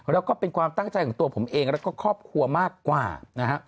แล้วก็เป็นความตั้งใจของตัวผมเองแล้วก็ครอบครัวมากกว่านะฮะ